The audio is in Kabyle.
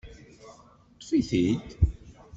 Ṭṭef-it-id!